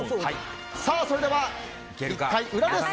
それでは１回裏です。